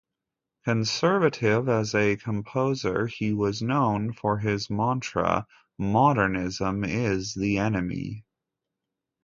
Conservative as a composer, he was known for his mantra, modernism is the enemy.